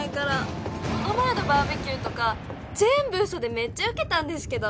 この前のバーベキューとか全部嘘でめっちゃウケたんですけど。